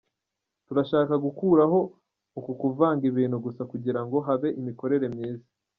Turashaka gukuraho uku kuvanga ibintu gusa kugira ngo habe imikorere myiza.